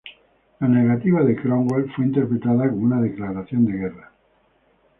La negativa de Cromwell fue interpretada como una declaración de guerra.